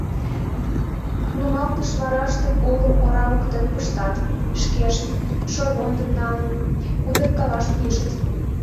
Нумалтыш вараштым олым ора воктен пыштат, шкешт, шорвондым налын, удыркалаш пижыт.